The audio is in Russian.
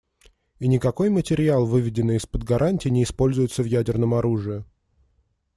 И никакой материал, выведенный из-под гарантий, не используется в ядерном оружии.